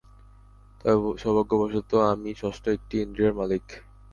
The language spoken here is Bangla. তবে সৌভাগ্যবশত আমি ষষ্ঠ একটি ইন্দ্রিয়ের মালিক।